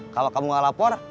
kalau kamu gak lapor